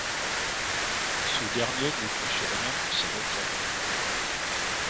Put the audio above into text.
Ce dernier ne touche rien pour sa retraite.